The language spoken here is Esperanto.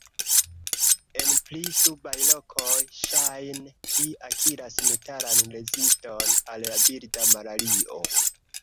En pli subaj lokoj, ŝajne ĝi akiras naturan reziston al la birda malario.